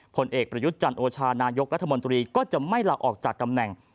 ผลเอกประยุทธ์จันโอชานายกรัฐมนตรีก็จะไม่ลาออกจากตำแหน่ง